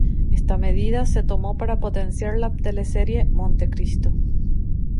Está medida se tomó para potenciar la teleserie ""Montecristo"".